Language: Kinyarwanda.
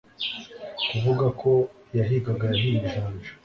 kuvuga ko iyahigaga yahiye ijanja